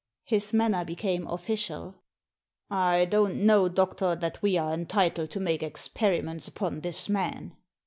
His manner became official. " I don't know, doctor, that we are entitled to make experiments upon this man."